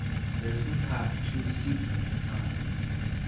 There is no path too steep for him to climb.